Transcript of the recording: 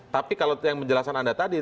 tapi kalau yang menjelaskan anda tadi